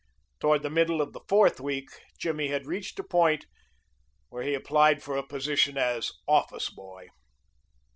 Toward the middle of the fourth week Jimmy had reached a point where he applied for a position as office boy.